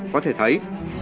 có thể thấy